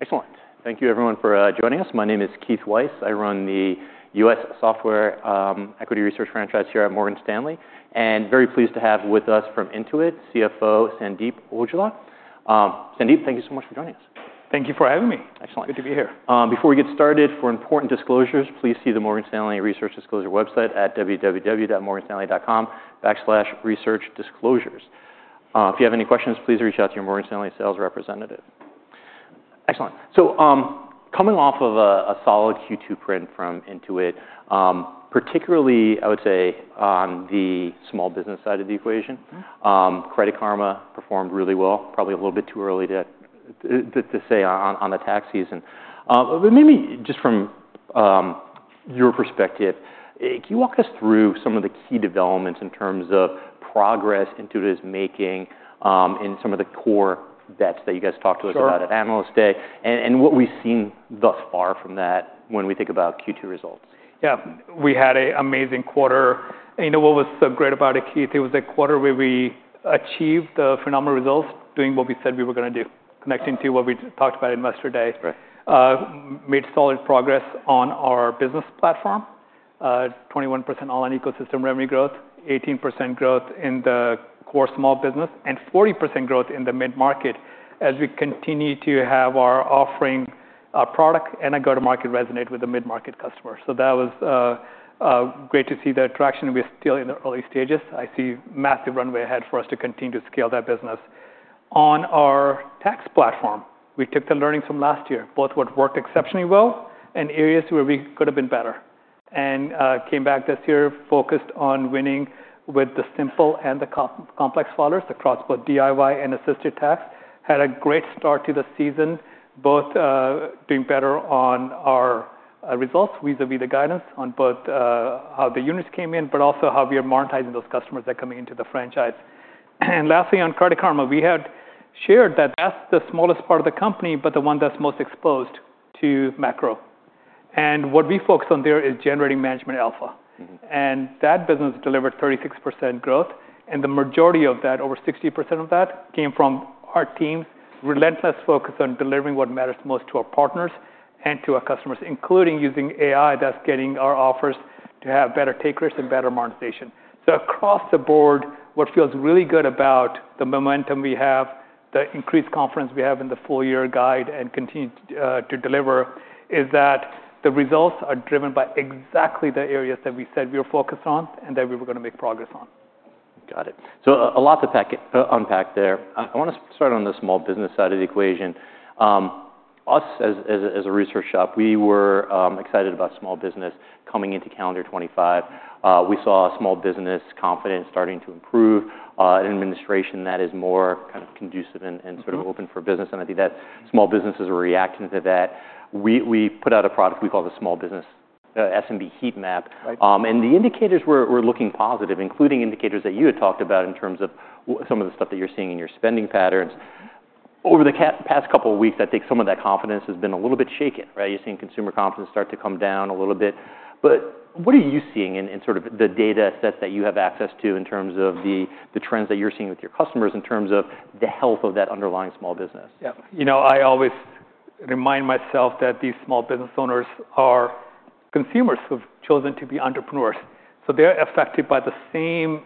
Excellent. Thank you, everyone, for joining us. My name is Keith Weiss. I run the U.S. Software Equity Research franchise here at Morgan Stanley, and I'm very pleased to have with us from Intuit CFO Sandeep Aujla. Sandeep, thank you so much for joining us. Thank you for having me. Excellent. Good to be here. Before we get started, for important disclosures, please see the Morgan Stanley Research Disclosure website at www.morganstanley.com/researchdisclosures. If you have any questions, please reach out to your Morgan Stanley sales representative. Excellent. So coming off of a solid Q2 print from Intuit, particularly, I would say, on the small business side of the equation, Credit Karma performed really well. Probably a little bit too early to say on the tax season. But maybe just from your perspective, can you walk us through some of the key developments in terms of progress Intuit is making in some of the core bets that you guys talked to us about at Analyst Day, and what we've seen thus far from that when we think about Q2 results? Yeah. We had an amazing quarter. You know what was so great about it, Keith? It was a quarter where we achieved phenomenal results doing what we said we were going to do, connecting to what we talked about at Investor Day. Right. Made solid progress on our business platform: 21% online ecosystem revenue growth, 18% growth in the core small business, and 40% growth in the mid-market as we continue to have our offering, our product, and our go-to-market resonate with the mid-market customers. So that was great to see the traction. We're still in the early stages. I see massive runway ahead for us to continue to scale that business. On our tax platform, we took the learnings from last year, both what worked exceptionally well and areas where we could have been better, and came back this year focused on winning with the simple and the complex filers, the cross-border DIY and assisted tax. Had a great start to the season, both doing better on our results vis-à-vis the guidance on both how the units came in, but also how we are monetizing those customers that are coming into the franchise. And lastly, on Credit Karma, we had shared that that's the smallest part of the company, but the one that's most exposed to macro. And what we focus on there is generating management alpha. And that business delivered 36% growth, and the majority of that, over 60% of that, came from our team's relentless focus on delivering what matters most to our partners and to our customers, including using AI that's getting our offers to have better take rates and better monetization. So, across the board, what feels really good about the momentum we have, the increased confidence we have in the full-year guide, and continue to deliver is that the results are driven by exactly the areas that we said we were focused on and that we were going to make progress on. Got it. So a lot to unpack there. I want to start on the small business side of the equation. Us as a research shop, we were excited about small business coming into calendar 2025. We saw small business confidence starting to improve, an administration that is more conducive and open for business, and I think that small businesses are reacting to that. We put out a product we call the SMB Heatmap, and the indicators were looking positive, including indicators that you had talked about in terms of some of the stuff that you're seeing in your spending patterns. Over the past couple of weeks, I think some of that confidence has been a little bit shaken, right? You're seeing consumer confidence start to come down a little bit. But what are you seeing in the data sets that you have access to in terms of the trends that you're seeing with your customers in terms of the health of that underlying small business? Yeah. I always remind myself that these small business owners are consumers who have chosen to be entrepreneurs, so they're affected by the same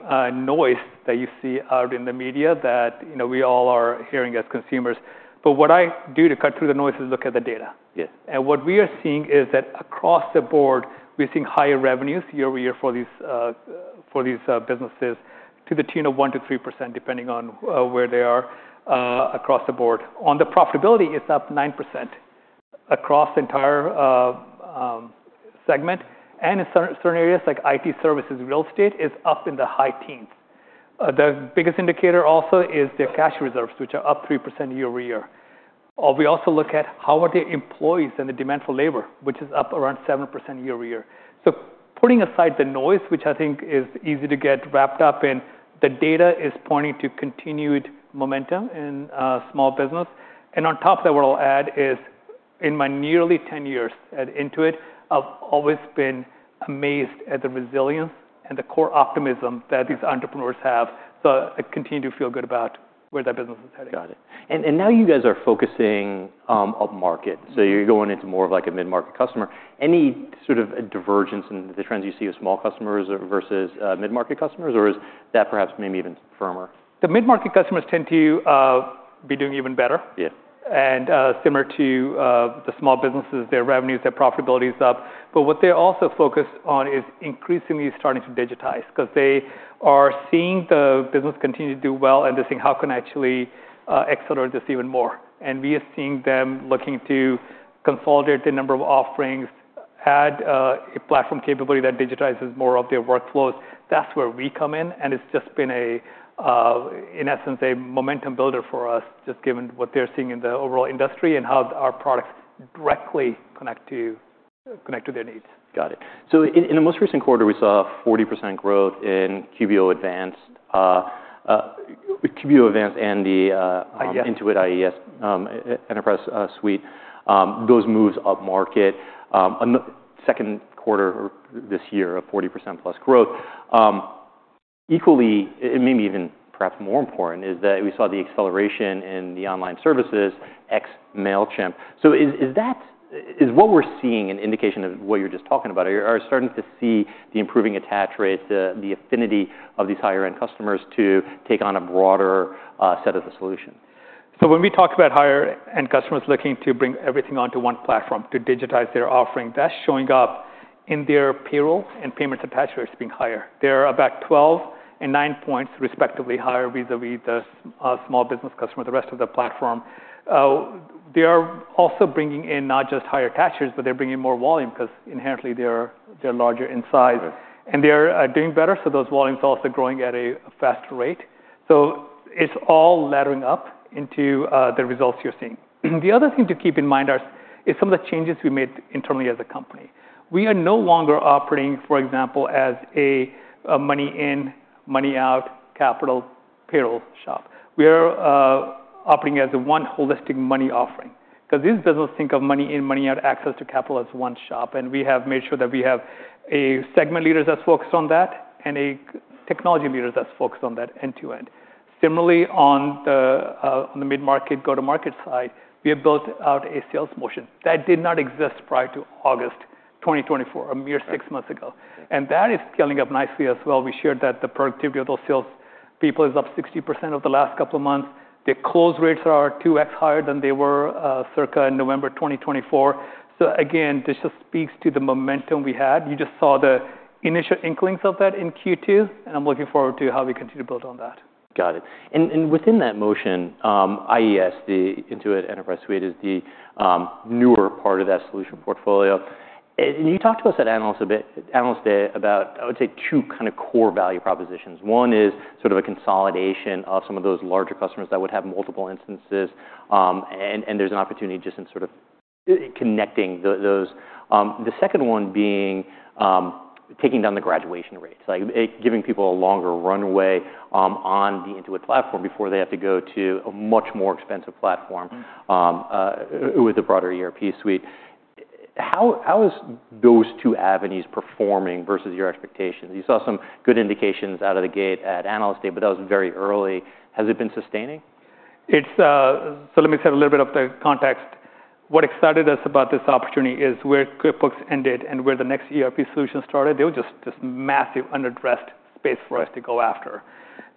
noise that you see out in the media that we all are hearing as consumers, but what I do to cut through the noise is look at the data. Yes. What we are seeing is that across the board, we're seeing higher revenues year over year for these businesses to the tune of 1%-3%, depending on where they are across the board. On the profitability, it's up 9% across the entire segment. In certain areas like IT services, real estate is up in the high teens. The biggest indicator also is their cash reserves, which are up 3% year over year. We also look at how are their employees and the demand for labor, which is up around 7% year over year. Putting aside the noise, which I think is easy to get wrapped up in, the data is pointing to continued momentum in small business. On top of that, what I'll add is in my nearly 10 years at Intuit, I've always been amazed at the resilience and the core optimism that these entrepreneurs have. I continue to feel good about where that business is heading. Got it. And now you guys are focusing upmarket. So you're going into more of like a mid-market customer. Any divergence in the trends you see with small customers versus mid-market customers, or is that perhaps maybe even firmer? The mid-market customers tend to be doing even better. Yeah. Similar to the small businesses, their revenues, their profitability is up. What they're also focused on is increasingly starting to digitize because they are seeing the business continue to do well, and they're saying, how can I actually accelerate this even more? We are seeing them looking to consolidate the number of offerings, add a platform capability that digitizes more of their workflows. That's where we come in. It's just been, in essence, a momentum builder for us, just given what they're seeing in the overall industry and how our products directly connect to their needs. Got it. So in the most recent quarter, we saw 40% growth in QBO Advanced. QBO Advanced and the Intuit Enterprise Suite, those moves upmarket. Second quarter this year of 40% plus growth. Equally, and maybe even perhaps more important, is that we saw the acceleration in the online services, Mailchimp. So is what we're seeing an indication of what you're just talking about? Are you starting to see the improving attach rates, the affinity of these higher-end customers to take on a broader set of the solution? So when we talk about higher-end customers looking to bring everything onto one platform to digitize their offering, that's showing up in their payroll and payments attach rates being higher. They're about 12 and 9 points respectively higher vis-à-vis the small business customer, the rest of the platform. They are also bringing in not just higher attach rates, but they're bringing in more volume because inherently they're larger in size and they're doing better so those volumes are also growing at a faster rate so it's all laddering up into the results you're seeing. The other thing to keep in mind is some of the changes we made internally as a company. We are no longer operating, for example, as a money in, money out capital payroll shop. We are operating as a one holistic money offering because these businesses think of money in, money out, access to capital as one shop, and we have made sure that we have a segment leaders that's focused on that and a technology leaders that's focused on that end-to-end. Similarly, on the mid-market go-to-market side, we have built out a sales motion that did not exist prior to August 2024, a mere six months ago, and that is scaling up nicely as well. We shared that the productivity of those salespeople is up 60% over the last couple of months. Their close rates are 2X higher than they were circa November 2024, so again, this just speaks to the momentum we had. You just saw the initial inklings of that in Q2, and I'm looking forward to how we continue to build on that. Got it. And within that motion, IES, the Intuit Enterprise Suite, is the newer part of that solution portfolio. And you talked to us at Analyst Day about, I would say, two core value propositions. One is a consolidation of some of those larger customers that would have multiple instances, and there's an opportunity just in connecting those. The second one being taking down the graduation rates, like giving people a longer runway on the Intuit platform before they have to go to a much more expensive platform with a broader ERP suite. How are those two avenues performing versus your expectations? You saw some good indications out of the gate at Analyst Day, but that was very early. Has it been sustaining? So let me say a little bit of the context. What excited us about this opportunity is where QuickBooks ended and where the next ERP solution started. There was just this massive unaddressed space for us to go after.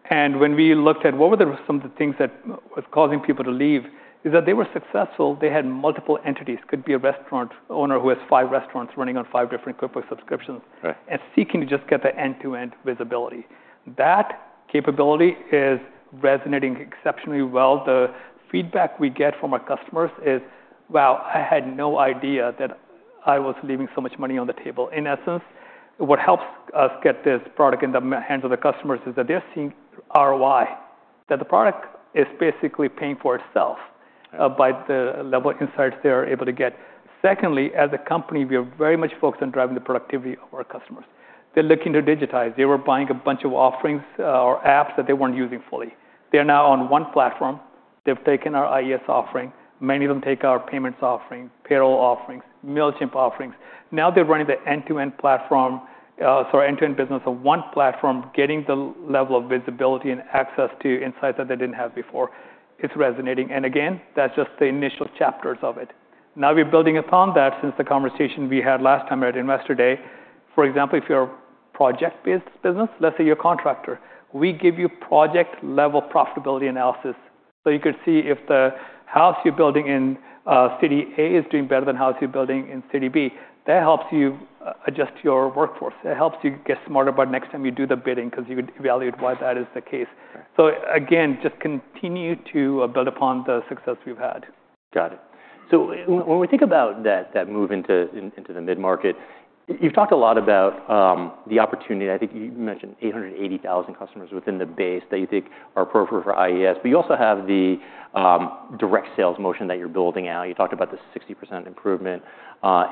And when we looked at what were some of the things that were causing people to leave, is that they were successful. They had multiple entities. It could be a restaurant owner who has five restaurants running on five different QuickBooks subscriptions and seeking to just get the end-to-end visibility. That capability is resonating exceptionally well. The feedback we get from our customers is, wow, I had no idea that I was leaving so much money on the table. In essence, what helps us get this product in the hands of the customers is that they're seeing ROI, that the product is basically paying for itself by the level of insights they are able to get. Secondly, as a company, we are very much focused on driving the productivity of our customers. They're looking to digitize. They were buying a bunch of offerings or apps that they weren't using fully. They're now on one platform. They've taken our IES offering. Many of them take our payments offering, payroll offerings, Mailchimp offerings. Now they're running the end-to-end business on one platform, getting the level of visibility and access to insights that they didn't have before. It's resonating, and again, that's just the initial chapters of it. Now we're building upon that since the conversation we had last time at Investor Day. For example, if you're a project-based business, let's say you're a contractor, we give you project-level profitability analysis. So you could see if the house you're building in City A is doing better than the house you're building in City B. That helps you adjust your workforce. That helps you get smarter about next time you do the bidding because you could evaluate why that is the case. So again, just continue to build upon the success we've had. Got it. So when we think about that move into the mid-market, you've talked a lot about the opportunity. I think you mentioned 880,000 customers within the base that you think are appropriate for IES. But you also have the direct sales motion that you're building out. You talked about the 60% improvement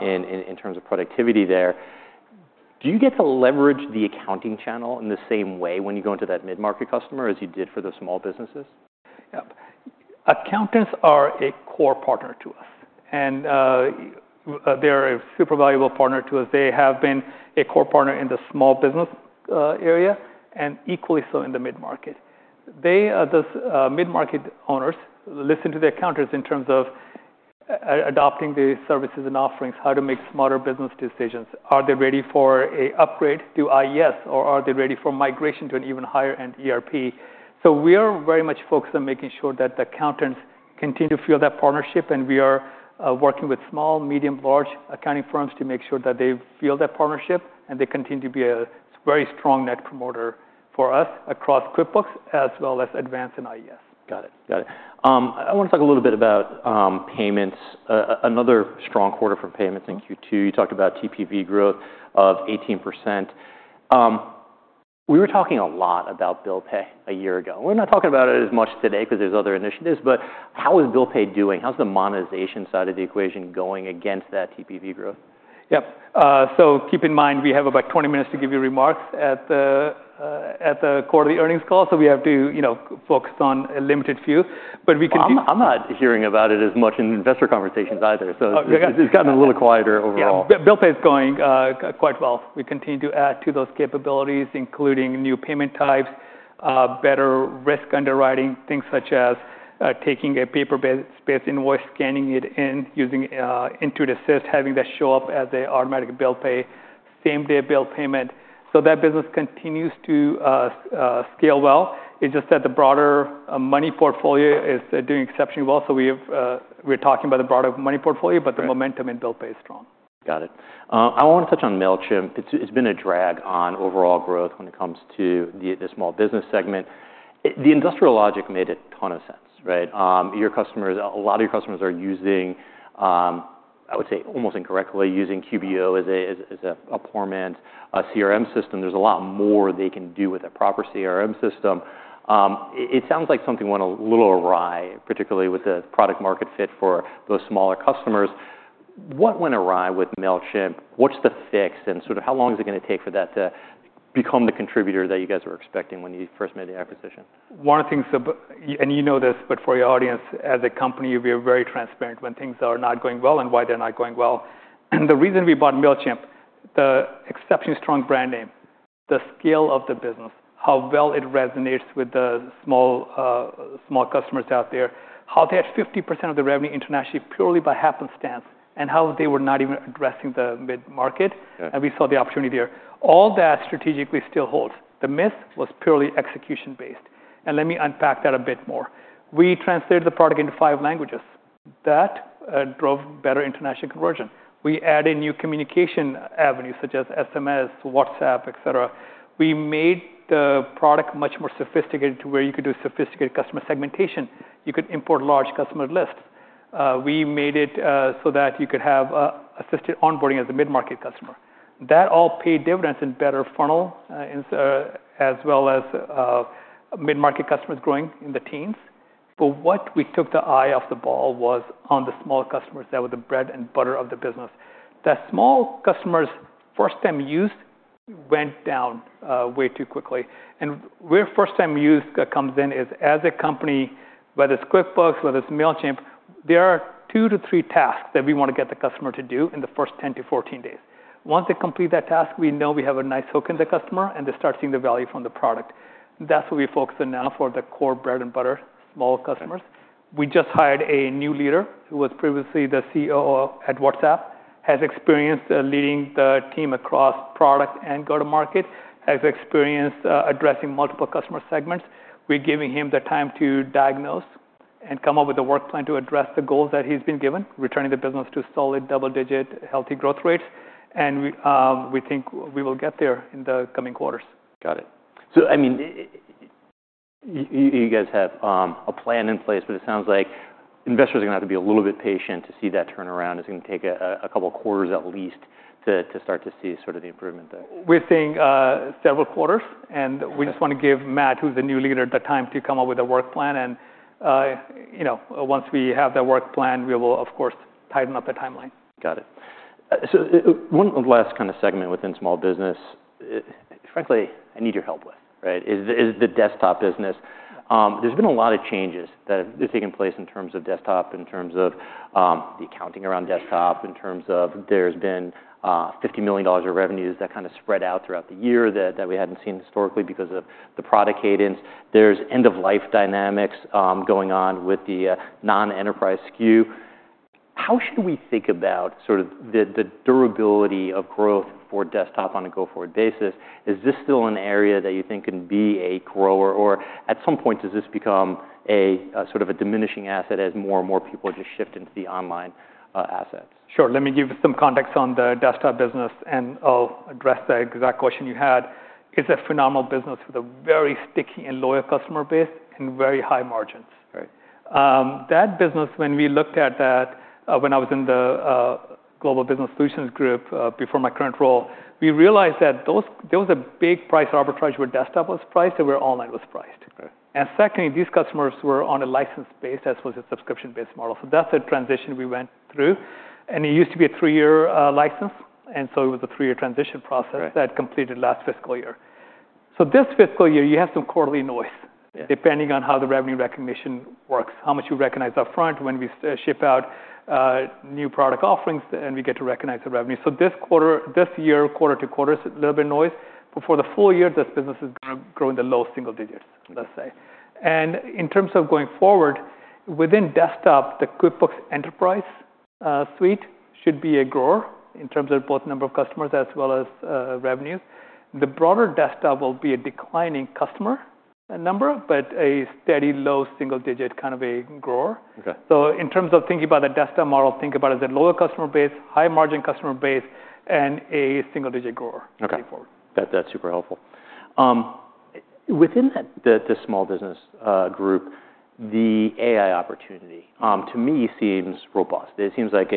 in terms of productivity there. Do you get to leverage the accounting channel in the same way when you go into that mid-market customer as you did for the small businesses? Accountants are a core partner to us, and they're a super valuable partner to us. They have been a core partner in the small business area and equally so in the mid-market. Those mid-market owners listen to their accountants in terms of adopting the services and offerings, how to make smarter business decisions. Are they ready for an upgrade to IES, or are they ready for migration to an even higher-end ERP? So we are very much focused on making sure that the accountants continue to feel that partnership, and we are working with small, medium, large accounting firms to make sure that they feel that partnership and they continue to be a very strong net promoter for us across QuickBooks as well as Advanced and IES. Got it. Got it. I want to talk a little bit about payments. Another strong quarter for payments in Q2. You talked about TPV growth of 18%. We were talking a lot about bill pay a year ago. We're not talking about it as much today because there's other initiatives. But how is bill pay doing? How's the monetization side of the equation going against that TPV growth? Yep. So keep in mind we have about 20 minutes to give you remarks at the quarterly earnings call. So we have to focus on a limited few. But we can. I'm not hearing about it as much in investor conversations either. So it's gotten a little quieter overall. Yeah. Bill pay is going quite well. We continue to add to those capabilities, including new payment types, better risk underwriting, things such as taking a paper-based invoice, scanning it in, using Intuit Assist, having that show up as an automatic bill pay, same-day bill payment. So that business continues to scale well. It's just that the broader money portfolio is doing exceptionally well. So we're talking about the broader money portfolio, but the momentum in bill pay is strong. Got it. I want to touch on Mailchimp. It's been a drag on overall growth when it comes to the small business segment. The industrial logic made a ton of sense, right? A lot of your customers are using, I would say almost incorrectly, using QBO as a poor man's CRM system. There's a lot more they can do with a proper CRM system. It sounds like something went a little awry, particularly with the product-market fit for those smaller customers. What went awry with Mailchimp? What's the fix? And how long is it going to take for that to become the contributor that you guys were expecting when you first made the acquisition? One of the things, and you know this, but for your audience, as a company, we are very transparent when things are not going well and why they're not going well. And the reason we bought Mailchimp, the exceptionally strong brand name, the scale of the business, how well it resonates with the small customers out there, how they had 50% of the revenue internationally purely by happenstance, and how they were not even addressing the mid-market. And we saw the opportunity there. All that strategically still holds. The miss was purely execution-based. And let me unpack that a bit more. We translated the product into five languages. That drove better international conversion. We added new communication avenues such as SMS, WhatsApp, et cetera. We made the product much more sophisticated to where you could do sophisticated customer segmentation. You could import large customer lists. We made it so that you could have assisted onboarding as a mid-market customer. That all paid dividends in better funnel as well as mid-market customers growing in the teens. But what we took the eye off the ball was on the small customers that were the bread and butter of the business. That small customers' first-time use went down way too quickly. And where first-time use comes in is as a company, whether it's QuickBooks, whether it's Mailchimp, there are two to three tasks that we want to get the customer to do in the first 10 to 14 days. Once they complete that task, we know we have a nice hook in the customer and they start seeing the value from the product. That's what we focus on now for the core bread and butter small customers. We just hired a new leader who was previously the COO at WhatsApp, has experience leading the team across product and go-to-market, has experience addressing multiple customer segments. We're giving him the time to diagnose and come up with a work plan to address the goals that he's been given, returning the business to solid double-digit healthy growth rates, and we think we will get there in the coming quarters. Got it. So You guys have a plan in place, but it sounds like investors are going to have to be a little bit patient to see that turnaround. It's going to take a couple of quarters at least to start to see the improvement there. We're seeing several quarters, and we just want to give Matt, who's the new leader at the time, to come up with a work plan, and once we have that work plan, we will, of course, tighten up the timeline. Got it. So one last segment within small business, frankly, I need your help with, right, is the desktop business. There's been a lot of changes that have taken place in terms of desktop, in terms of the accounting around desktop, in terms of there's been $50 million of revenues that spread out throughout the year that we hadn't seen historically because of the product cadence. There's end-of-life dynamics going on with the non-enterprise SKU. How should we think about the durability of growth for desktop on a go-forward basis? Is this still an area that you think can be a grower, or at some point, does this become a diminishing asset as more and more people just shift into the online assets? Sure. Let me give some context on the desktop business, and I'll address the exact question you had. It's a phenomenal business with a very sticky and loyal customer base and very high margins. That business, when we looked at that when I was in the Global Business Solutions Group before my current role, we realized that there was a big price arbitrage where desktop was priced and where online was priced. And secondly, these customers were on a license-based as opposed to a subscription-based model. So that's the transition we went through. And it used to be a three-year license. And so it was a three-year transition process that completed last fiscal year. So this fiscal year, you have some quarterly noise depending on how the revenue recognition works, how much you recognize upfront when we ship out new product offerings and we get to recognize the revenue. So this year, quarter to quarter, it's a little bit of noise. But for the full year, this business is going to grow in the low single digits, let's say. And in terms of going forward, within desktop, the QuickBooks Enterprise Suite should be a grower in terms of both number of customers as well as revenues. The broader desktop will be a declining customer number, but a steady low single-digit grower. So in terms of thinking about the desktop model, think about it as a lower customer base, high margin customer base, and a single-digit grower moving forward. That's super helpful. Within the small business group, the AI opportunity to me seems robust. It seems like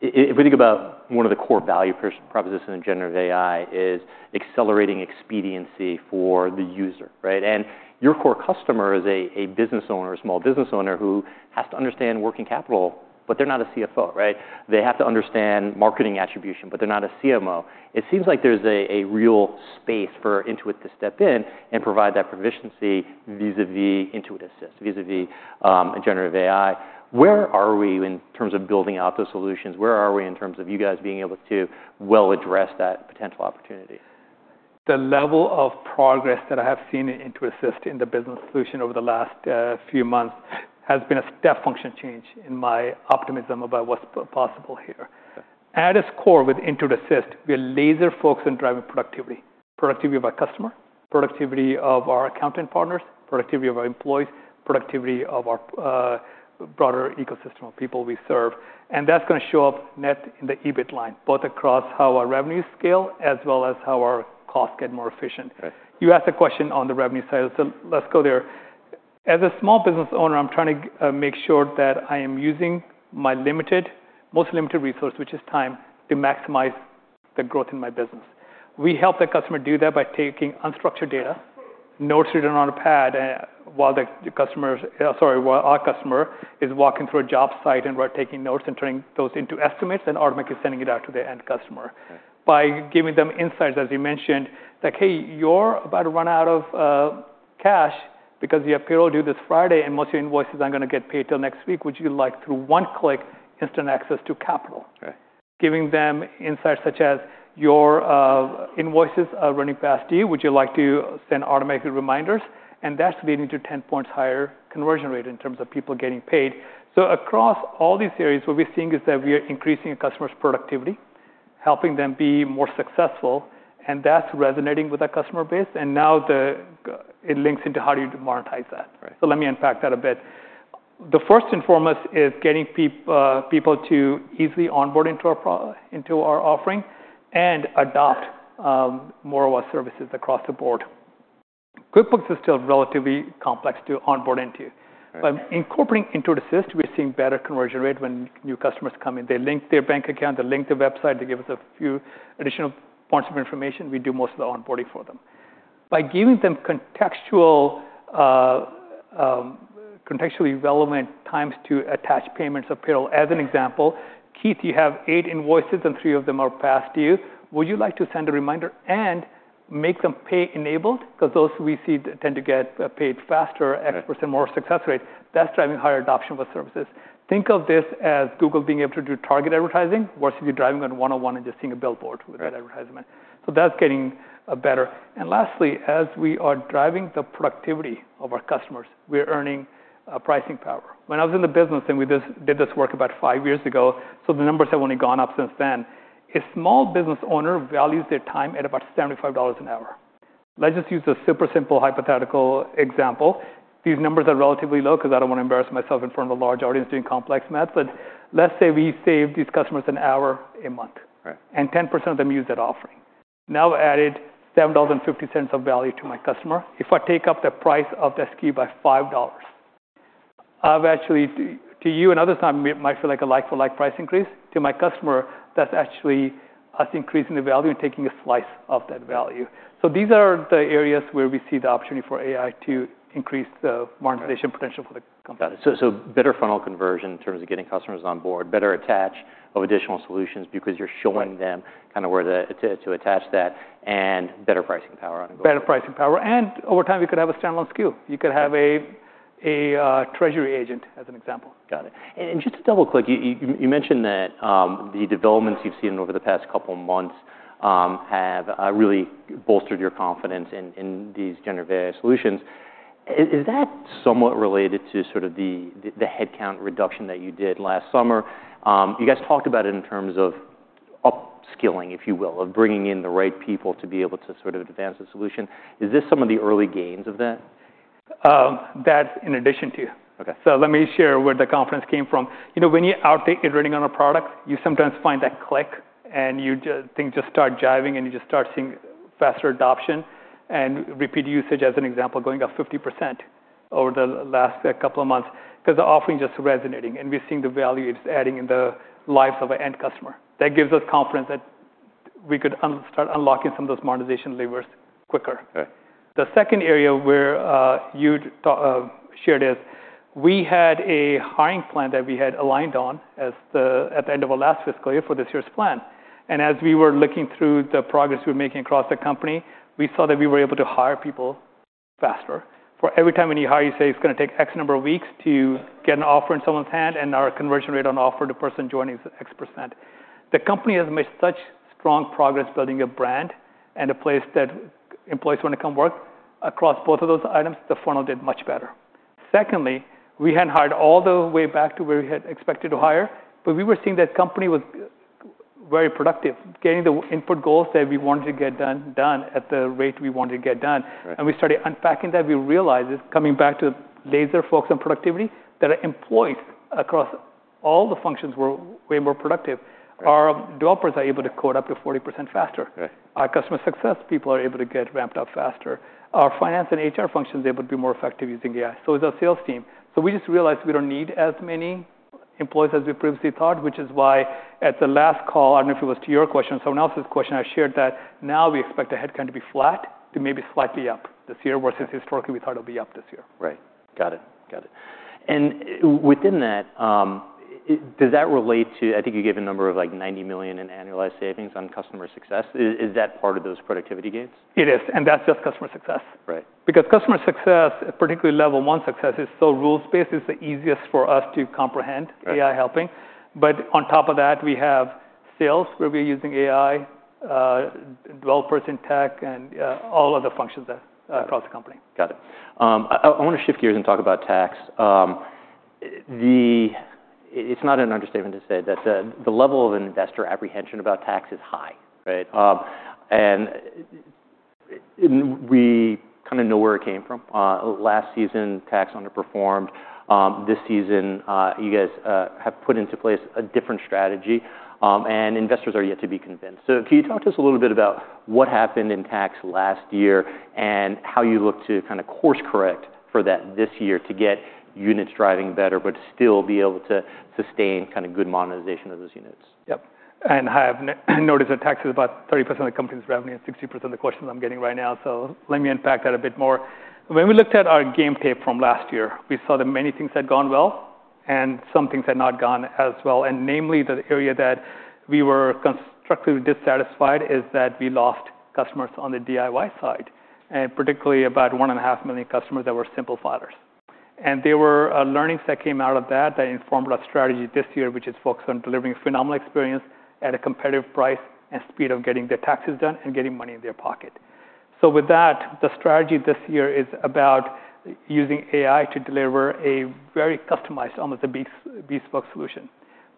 if we think about one of the core value propositions in generative AI is accelerating expediency for the user, right? And your core customer is a business owner, a small business owner who has to understand working capital, but they're not a CFO, right? They have to understand marketing attribution, but they're not a CMO. It seems like there's a real space for Intuit to step in and provide that proficiency vis-à-vis Intuit Assist, vis-à-vis generative AI. Where are we in terms of building out those solutions? Where are we in terms of you guys being able to well address that potential opportunity? The level of progress that I have seen in Intuit Assist in the business solution over the last few months has been a step function change in my optimism about what's possible here. At its core with Intuit Assist, we are laser-focused on driving productivity: productivity of our customer, productivity of our accounting partners, productivity of our employees, productivity of our broader ecosystem of people we serve. And that's going to show up net in the EBIT line, both across how our revenues scale as well as how our costs get more efficient. You asked a question on the revenue side, so let's go there. As a small business owner, I'm trying to make sure that I am using my most limited resource, which is time, to maximize the growth in my business. We help the customer do that by taking unstructured data, notes written on a pad while the customer, sorry, while our customer is walking through a job site and we're taking notes and turning those into estimates and automatically sending it out to the end customer. By giving them insights, as you mentioned, like, "Hey, you're about to run out of cash because you have payroll due this Friday, and most of your invoices aren't going to get paid till next week. Would you like through one click instant access to capital?" Giving them insights such as, "Your invoices are running past due. Would you like to send automatic reminders?" And that's leading to 10 points higher conversion rate in terms of people getting paid. So across all these areas, what we're seeing is that we are increasing a customer's productivity, helping them be more successful. And that's resonating with our customer base. And now it links into how do you monetize that? So let me unpack that a bit. The first and foremost is getting people to easily onboard into our offering and adopt more of our services across the board. QuickBooks is still relatively complex to onboard into. But incorporating Intuit Assist, we're seeing better conversion rate when new customers come in. They link their bank account, they link their website, they give us a few additional points of information. We do most of the onboarding for them. By giving them contextually relevant times to attach payments of payroll, as an example, Keith, you have eight invoices and three of them are past due. Would you like to send a reminder and make them pay-enabled? Because those we see tend to get paid faster, X% more success rate. That's driving higher adoption of our services. Think of this as Google being able to do target advertising versus you driving on 101 and just seeing a billboard with that advertisement, so that's getting better, and lastly, as we are driving the productivity of our customers, we're earning pricing power. When I was in the business and we did this work about five years ago, so the numbers have only gone up since then, a small business owner values their time at about $75 an hour. Let's just use a super simple hypothetical example. These numbers are relatively low because I don't want to embarrass myself in front of a large audience doing complex math, but let's say we save these customers an hour a month, and 10% of them use that offering. Now I've added $7.50 of value to my customer. If I take up the price of the SKU by $5, I've actually, to you and others, it might feel like a like-for-like price increase. To my customer, that's actually us increasing the value and taking a slice of that value. So these are the areas where we see the opportunity for AI to increase the monetization potential for the company. Got it. So better funnel conversion in terms of getting customers on board, better attach of additional solutions because you're showing them where to attach that, and better pricing power on the go-forward. Better pricing power, and over time, you could have a standalone SKU. You could have a treasury agent as an example. Got it, and just to double-click, you mentioned that the developments you've seen over the past couple of months have really bolstered your confidence in these generative AI solutions. Is that somewhat related to the headcount reduction that you did last summer? You guys talked about it in terms of upskilling, if you will, of bringing in the right people to be able to advance the solution. Is this some of the early gains of that? That's in addition to. So let me share where the conference came from. When you iterate it running on a product, you sometimes find that click, and things just start jiving, and you just start seeing faster adoption. And repeat usage, as an example, going up 50% over the last couple of months because the offering just resonating. And we're seeing the value it's adding in the lives of our end customer. That gives us confidence that we could start unlocking some of those monetization levers quicker. The second area where you shared is we had a hiring plan that we had aligned on at the end of our last fiscal year for this year's plan. And as we were looking through the progress we were making across the company, we saw that we were able to hire people faster. For every time when you hire, you say it's going to take X number of weeks to get an offer in someone's hand, and our conversion rate on offer to person joining is X%. The company has made such strong progress building a brand and a place that employees want to come work. Across both of those items, the funnel did much better. Secondly, we had hired all the way back to where we had expected to hire, but we were seeing that company was very productive, getting the input goals that we wanted to get done at the rate we wanted to get done. And we started unpacking that. We realized it's coming back to laser-focused on productivity that our employees across all the functions were way more productive. Our developers are able to code up to 40% faster. Our customer success people are able to get ramped up faster. Our finance and HR functions are able to be more effective using AI. So is our sales team. So we just realized we don't need as many employees as we previously thought, which is why at the last call, I don't know if it was to your question or someone else's question, I shared that now we expect the headcount to be flat to maybe slightly up this year, whereas historically we thought it'll be up this year. Right. Got it. Got it. And within that, does that relate to, I think you gave a number of like $90 million in annualized savings on customer success? Is that part of those productivity gains? It is. And that's just customer success. Because customer success, particularly level one success, is still rules-based. It's the easiest for us to comprehend AI helping. But on top of that, we have sales where we're using AI, developers in tech, and all other functions across the company. Got it. I want to shift gears and talk about tax. It's not an understatement to say that the level of investor apprehension about tax is high, right? And we know where it came from. Last season, tax underperformed. This season, you guys have put into place a different strategy. And investors are yet to be convinced. So can you talk to us a little bit about what happened in tax last year and how you look to course correct for that this year to get units driving better, but still be able to sustain good monetization of those units? Yep. I have noticed that tax is about 30% of the company's revenue and 60% of the questions I'm getting right now. Let me unpack that a bit more. When we looked at our game tape from last year, we saw that many things had gone well and some things had not gone as well. Namely, the area that we were constructively dissatisfied is that we lost customers on the DIY side, and particularly about 1.5 million customers that were simple filers. There were learnings that came out of that that informed our strategy this year, which is focused on delivering a phenomenal experience at a competitive price and speed of getting their taxes done and getting money in their pocket. With that, the strategy this year is about using AI to deliver a very customized, almost a bespoke solution.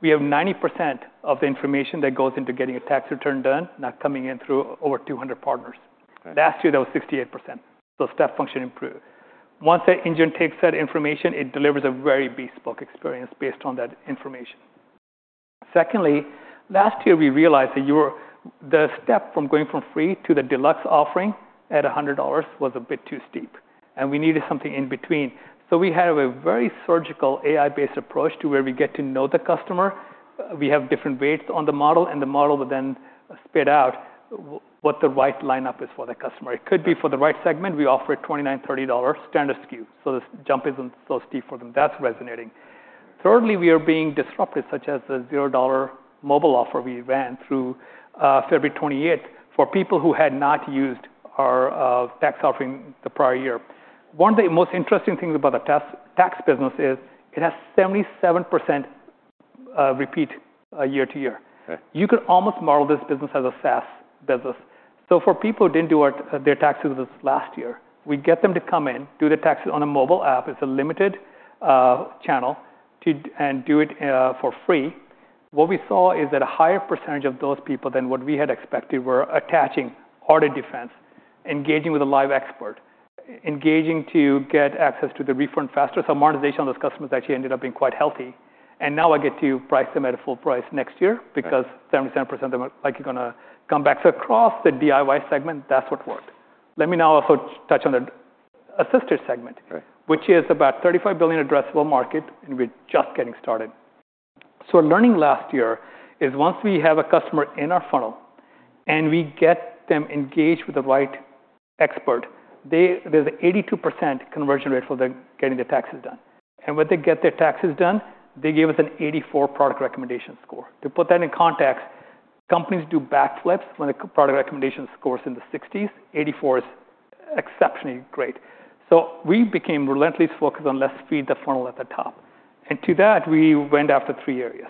We have 90% of the information that goes into getting a tax return done now coming in through over 200 partners. Last year, that was 68%, so step function improved. Once that engine takes that information, it delivers a very bespoke experience based on that information. Secondly, last year, we realized that the step from going from free to the Deluxe offering at $100 was a bit too steep, and we needed something in between, so we have a very surgical AI-based approach to where we get to know the customer. We have different weights on the model, and the model will then spit out what the right lineup is for the customer. It could be for the right segment. We offer a $29, $30 standard SKU, so this jump isn't so steep for them. That's resonating. Thirdly, we are being disrupted, such as the $0 mobile offer we ran through February 28th for people who had not used our tax offering the prior year. One of the most interesting things about the tax business is it has 77% repeat year to year. You could almost model this business as a SaaS business. So for people who didn't do their taxes this last year, we get them to come in, do their taxes on a mobile app. It's a limited channel and do it for free. What we saw is that a higher percentage of those people than what we had expected were attaching Audit Defense, engaging with a live expert, engaging to get access to the refund faster. So monetization on those customers actually ended up being quite healthy. And now I get to price them at a full price next year because 77% of them are likely going to come back. So across the DIY segment, that's what worked. Let me now also touch on the assisted segment, which is about a $35 billion addressable market, and we're just getting started. So learning last year is once we have a customer in our funnel and we get them engaged with the right expert, there's an 82% conversion rate for them getting their taxes done. And when they get their taxes done, they gave us an 84 product recommendation score. To put that in context, companies do backflips when the product recommendation score is in the 60s. 84 is exceptionally great. So we became relentlessly focused on let's feed the funnel at the top. And to that, we went after three areas.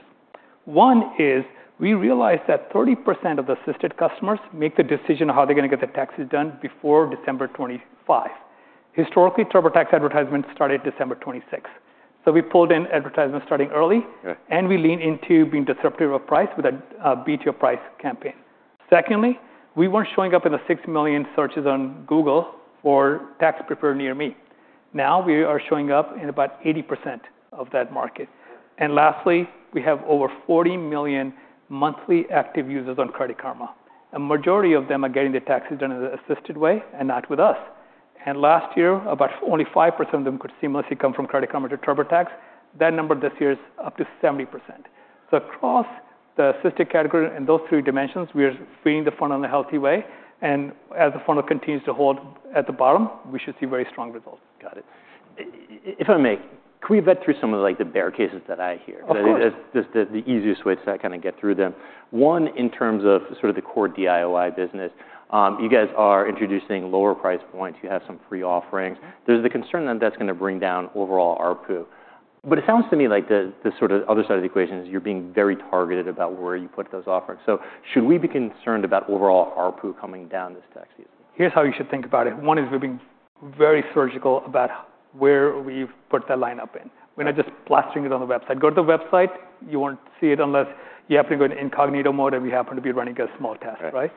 One is we realized that 30% of the assisted customers make the decision of how they're going to get their taxes done before December 25. Historically, TurboTax advertisement started December 26. So we pulled in advertisement starting early, and we leaned into being disruptive of price with a B2C price campaign. Secondly, we weren't showing up in the six million searches on Google for tax preparer near me. Now we are showing up in about 80% of that market. And lastly, we have over 40 million monthly active users on Credit Karma. A majority of them are getting their taxes done in an assisted way and not with us. And last year, about only 5% of them could seamlessly come from Credit Karma to TurboTax. That number this year is up to 70%. So across the assisted category and those three dimensions, we are feeding the funnel in a healthy way. And as the funnel continues to hold at the bottom, we should see very strong results. Got it. If I may, can we vet through some of the bear cases that I hear? The easiest way to get through them. One, in terms of the core DIY business, you guys are introducing lower price points. You have some free offerings. There's the concern that that's going to bring down overall RPU. But it sounds to me like the other side of the equation is you're being very targeted about where you put those offerings. So should we be concerned about overall RPU coming down this tax season? Here's how you should think about it. One is we've been very surgical about where we've put that lineup in. We're not just plastering it on the website. Go to the website. You won't see it unless you happen to go into incognito mode and we happen to be running a small test, right?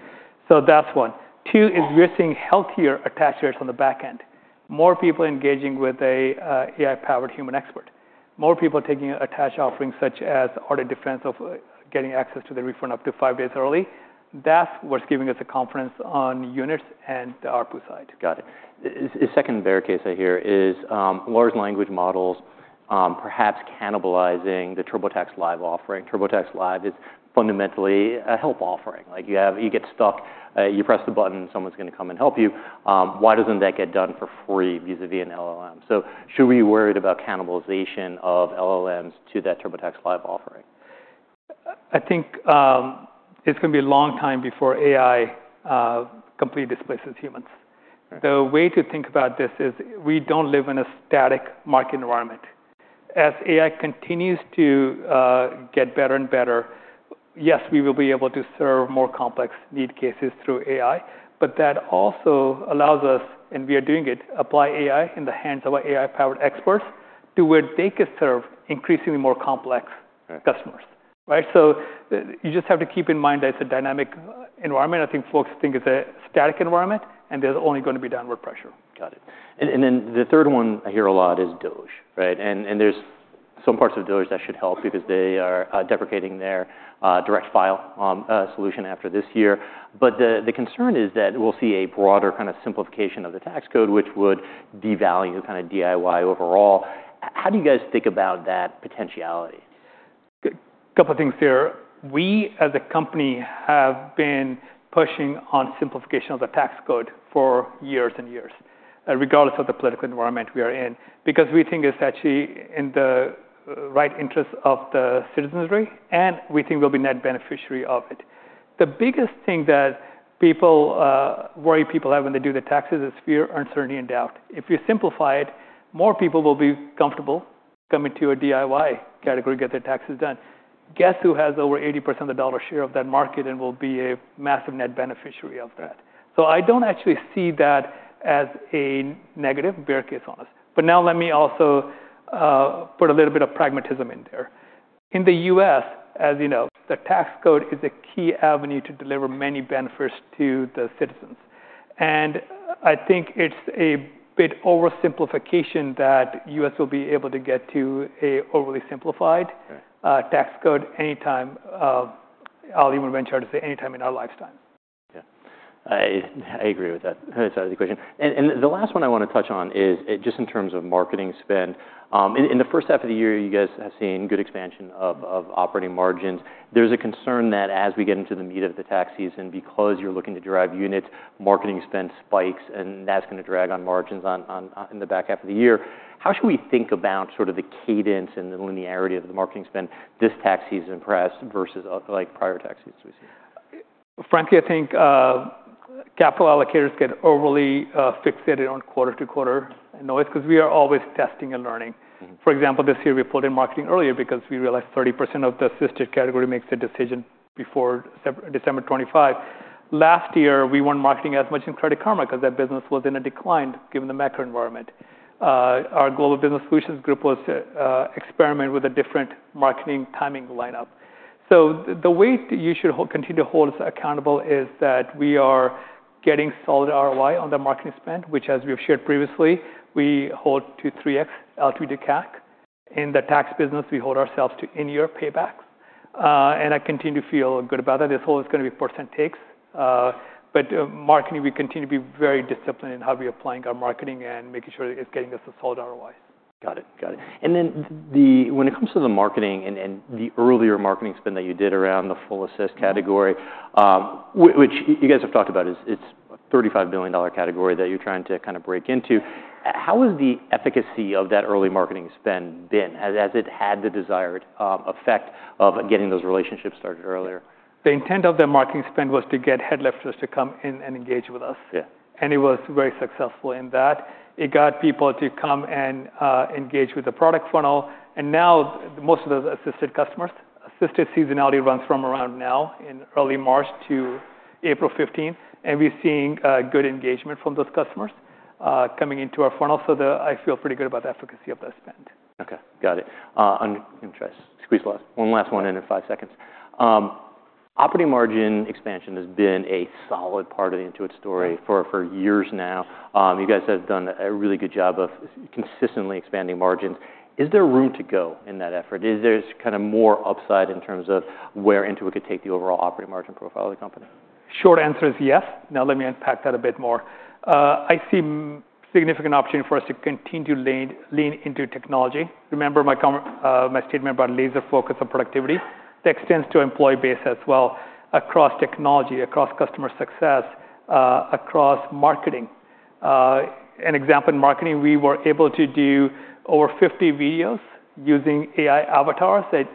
So that's one. Two is we're seeing healthier attach rates on the back end. More people engaging with an AI-powered human expert. More people taking attach offerings such as Audit Defense of getting access to the refund up to five days early. That's what's giving us a confidence on units and the RPU side. Got it. The second bear case I hear is large language models perhaps cannibalizing the TurboTax Live offering. TurboTax Live is fundamentally a help offering. You get stuck. You press the button. Someone's going to come and help you. Why doesn't that get done for free vis-à-vis an LLM? So should we be worried about cannibalization of LLMs to that TurboTax Live offering? It's going to be a long time before AI completely displaces humans. The way to think about this is we don't live in a static market environment. As AI continues to get better and better, yes, we will be able to serve more complex use cases through AI. But that also allows us, and we are doing it, apply AI in the hands of our AI-powered experts to where they can serve increasingly more complex customers. So you just have to keep in mind that it's a dynamic environment. I think folks think it's a static environment, and there's only going to be downward pressure. Got it. And then the third one I hear a lot is DOGE, right? And there's some parts of DOGE that should help because they are deprecating their Direct File solution after this year. But the concern is that we'll see a broader simplification of the tax code, which would devalue DIY overall. How do you guys think about that potentiality? A couple of things here. We as a company have been pushing on simplification of the tax code for years and years, regardless of the political environment we are in, because we think it's actually in the right interests of the citizenry, and we think we'll be net beneficiary of it. The biggest thing that people worry people have when they do their taxes is fear, uncertainty, and doubt. If you simplify it, more people will be comfortable coming to a DIY category to get their taxes done. Guess who has over 80% of the dollar share of that market and will be a massive net beneficiary of that? So I don't actually see that as a negative bear case on us. But now let me also put a little bit of pragmatism in there. In the U.S., the tax code is a key avenue to deliver many benefits to the citizens. And I think it's a bit oversimplification that the U.S. will be able to get to an overly simplified tax code anytime. I'll even venture to say anytime in our lifetimes. Yeah. I agree with that. Sorry about the question. And the last one I want to touch on is just in terms of marketing spend. In the first half of the year, you guys have seen good expansion of operating margins. There's a concern that as we get into the meat of the tax season, because you're looking to drive units, marketing spend spikes, and that's going to drag on margins in the back half of the year. How should we think about the cadence and the linearity of the marketing spend this tax season versus prior tax seasons we've seen? Frankly, I think capital allocators get overly fixated on quarter to quarter noise because we are always testing and learning. For example, this year we pulled in marketing earlier because we realized 30% of the assisted category makes a decision before December 25. Last year, we weren't marketing as much in Credit Karma because that business was in a decline given the macro environment. Our Global Business Solutions Group was experimenting with a different marketing timing lineup, so the way that you should continue to hold us accountable is that we are getting solid ROI on the marketing spend, which, as we've shared previously, we hold to 3X LTV to CAC. In the tax business, we hold ourselves to in-year paybacks, and I continue to feel good about that. This whole is going to be percent takes. But marketing, we continue to be very disciplined in how we're applying our marketing and making sure it's getting us a solid ROI. Got it. Got it. And then when it comes to the marketing and the earlier marketing spend that you did around the Intuit Assist category, which you guys have talked about, it's a $35 billion category that you're trying to break into. How has the efficacy of that early marketing spend been? Has it had the desired effect of getting those relationships started earlier? The intent of the marketing spend was to get head lifters to come in and engage with us. And it was very successful in that. It got people to come and engage with the product funnel. And now most of those assisted customers, assisted seasonality runs from around now in early March to April 15. And we're seeing good engagement from those customers coming into our funnel. So I feel pretty good about the efficacy of that spend. Okay. Got it. I'm going to try to squeeze one last one in five seconds. Operating margin expansion has been a solid part of Intuit's story for years now. You guys have done a really good job of consistently expanding margins. Is there room to go in that effort? Is there more upside in terms of where Intuit could take the overall operating margin profile of the company? Short answer is yes. Now let me unpack that a bit more. I see significant opportunity for us to continue to lean into technology. Remember my statement about laser focus on productivity? That extends to employee base as well across technology, across customer success, across marketing. An example in marketing, we were able to do over 50 videos using AI avatars that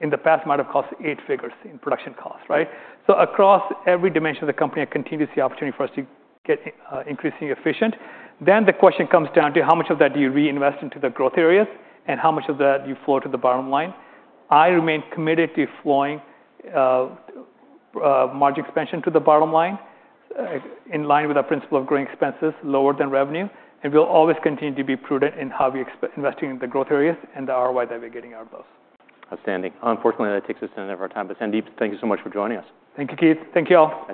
in the past might have cost eight figures in production costs, right? So across every dimension of the company, I continue to see opportunity for us to get increasingly efficient. Then the question comes down to how much of that do you reinvest into the growth areas and how much of that do you flow to the bottom line? I remain committed to flowing margin expansion to the bottom line in line with our principle of growing expenses lower than revenue. We'll always continue to be prudent in how we invest in the growth areas and the ROI that we're getting out of those. Outstanding. Unfortunately, that takes us to the end of our time, but Sandeep, thank you so much for joining us. Thank you, Keith. Thank you all.